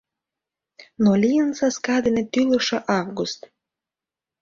Но лийын саска дене тӱлышӧ август.